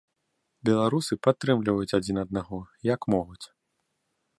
Беларусы падтрымліваюць адзін аднаго, як могуць.